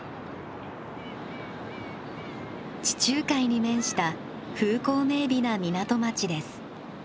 地中海に面した風光明美な港町です。